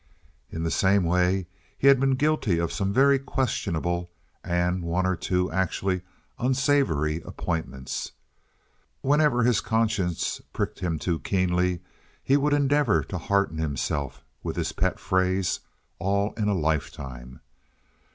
In the same way, he had been guilty of some very questionable, and one or two actually unsavory, appointments. Whenever his conscience pricked him too keenly he would endeavor to hearten himself with his pet phrase, "All in a lifetime."